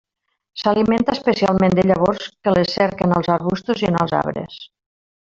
S'alimenta especialment de llavors que les cerca en els arbustos i en els arbres.